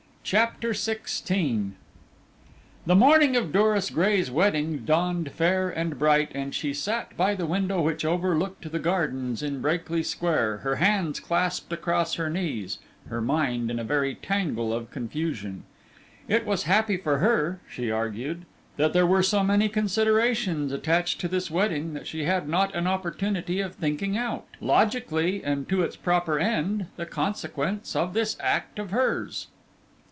CHAPTER XVI The morning of Doris Gray's wedding dawned fair and bright, and she sat by the window which overlooked the gardens in Brakely Square, her hands clasped across her knees, her mind in a very tangle of confusion. It was happy for her (she argued) that there were so many considerations attached to this wedding that she had not an opportunity of thinking out, logically and to its proper end, the consequence of this act of hers.